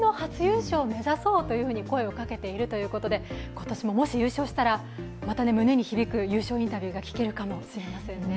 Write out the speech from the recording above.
今年ももし優勝したら、また胸に響く優勝インタビューが聞けるかもしれませんね。